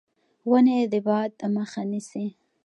ونې د باد مخه نیسي.